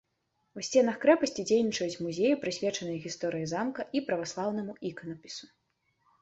У сценах крэпасці дзейнічаюць музеі, прысвечаныя гісторыі замка і праваслаўнаму іканапісу.